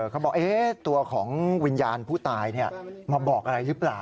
เขาบอกตัวของวิญญาณผู้ตายมาบอกอะไรหรือเปล่า